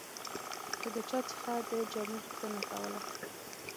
که د چا څخه د جامو پوښتنه کوله.